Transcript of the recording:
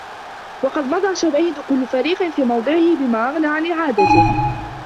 وَقَدْ مَضَى شَوَاهِدُ كُلِّ فَرِيقٍ فِي مَوْضِعِهِ بِمَا أَغْنَى عَنْ إعَادَتِهِ